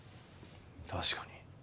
確かに。